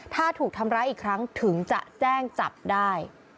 ถ้าถูกทำร้ายอีกครั้งถึงจะแจ้งจับได้